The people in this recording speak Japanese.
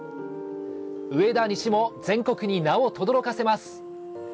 上田西も全国に名をとどろかせます。